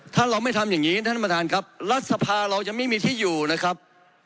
ถ้าเราไม่ทำอย่างนี้ท่านประธานครับรัฐสภาเรายังไม่มีที่อยู่นะครับ